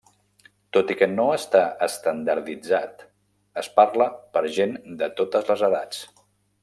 Tot i que no està estandarditzat, és parlat per gent de totes les edats.